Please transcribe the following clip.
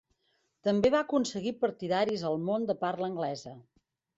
També va aconseguir partidaris al món de parla anglesa.